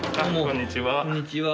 こんにちは。